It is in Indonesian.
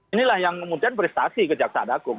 inilah yang kemudian prestasi kejaksaan agung